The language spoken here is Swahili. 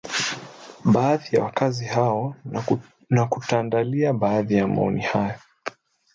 baadhi ya wakazi hao na kutuandalia baadhi ya maoni hayo